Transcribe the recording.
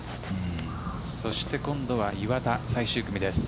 そして今度は岩田、最終組です。